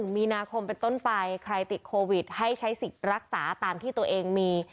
มีนาคมเป็นต้นไปใครติดโควิดให้ใช้สิทธิ์รักษาตามที่ตัวเองมี